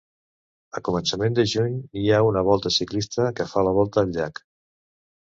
A començament de juny hi ha una volta ciclista que fa la volta al llac.